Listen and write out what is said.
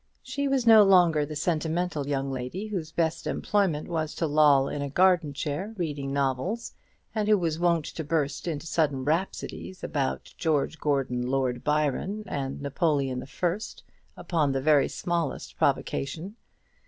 She was no longer the sentimental young lady, whose best employment was to loll in a garden chair reading novels, and who was wont to burst into sudden rhapsodies about George Gordon Lord Byron and Napoleon the First upon the very smallest provocation.